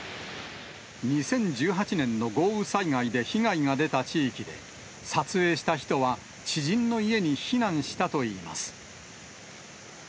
２０１８年の豪雨災害で被害が出た地域で、撮影した人は、知人の家に避難したといいます。